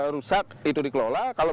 rusak itu dikelola kalau